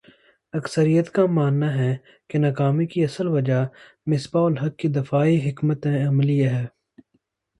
اکثریت کا ماننا ہے کہ ناکامی کی اصل وجہ مصباح الحق کی دفاعی حکمت عملی ہے